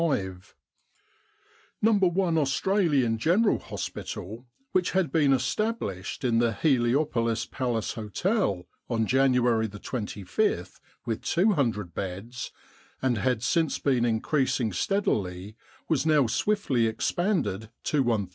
i Australian General Hospital, which had been established in the Heliopolis Palace Hotel on January 25 with 200 beds, and had since been increas ing steadily, was now swiftly expanded to 1,000.